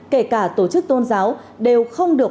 kể cả tổ chức tôn giáo đều không được